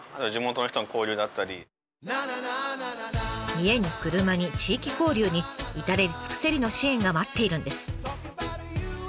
家に車に地域交流に至れり尽くせりの支援が待っているんです。